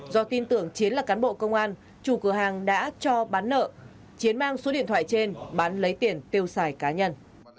do tin tưởng chiến là cán bộ công an chủ cửa hàng đã cho bán nợ chiến mang số điện thoại trên bán lấy tiền tiêu xài cá nhân